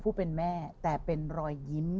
ผู้เป็นแม่แต่เป็นรอยยิ้ม